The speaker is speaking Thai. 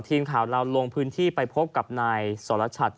ทีมข่าวเราลงพื้นที่ไปพบกับนายสรชัด